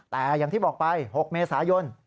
แต่อย่างที่บอกไป๖เมษายน